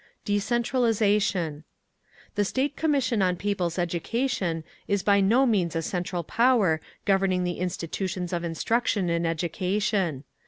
Decentralisation: The State Commission on People's Education is by no means a central power governing the institutions of instruction and education.